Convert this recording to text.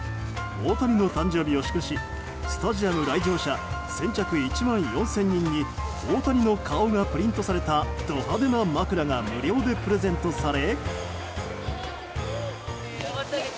大谷の誕生日を祝しスタジアム来場者先着１万４０００人に大谷の顔がプリントされたド派手な枕が無料でプレゼントされ。